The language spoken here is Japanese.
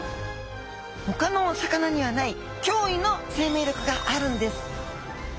ほかのお魚にはない驚異の生命力があるんです